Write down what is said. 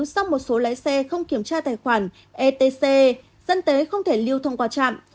sau một số lấy xe không kiểm tra tài khoản etc dân tế không thể liêu thông qua trạm